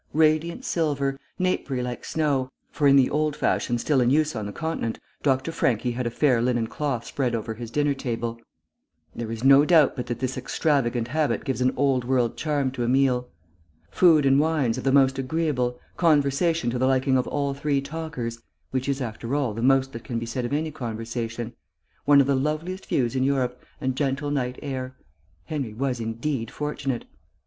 Radiant silver, napery like snow (for, in the old fashion still in use on the continent, Dr. Franchi had a fair linen cloth spread over his dinner table; there is no doubt but that this extravagant habit gives an old world charm to a meal), food and wines of the most agreeable, conversation to the liking of all three talkers (which is, after all, the most that can be said of any conversation), one of the loveliest views in Europe, and gentle night air Henry was indeed fortunate.